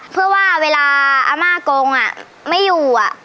เพื่อว่าเวลาอาม่ากงไม่อยู่